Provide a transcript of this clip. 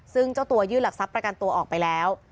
ซึ่งเจ้าตัวยื่นหลักทรัพย์ประกันตัวออกไปแล้ว